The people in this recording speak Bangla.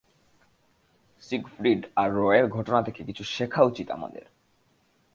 সিগফ্রিড আর রয়ের ঘটনা থেকে কিছু শেখা উচিৎ আমাদের।